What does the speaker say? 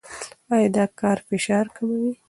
ایا دا کار فشار کموي؟